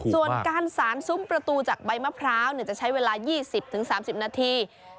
ส่วนการสารซุ้มประตูจากใบมะพร้าวจะใช้เวลา๒๐๓๐นาที